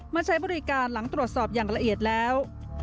มาใช้บริการหลังตรวจสอบอย่างละเอียดแล้ว